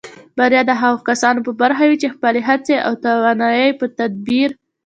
بریا د هغو کسانو په برخه وي چې خپلې هڅې او توانایۍ په تدبیر